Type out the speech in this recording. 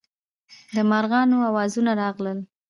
د مارغانو اوازونه راغلل.